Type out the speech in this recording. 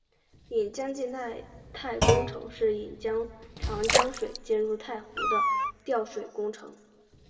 引江济太工程是引长江水进入太湖的调水工程。